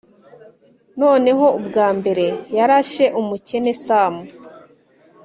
noneho ubwambere yarashe umukene sam,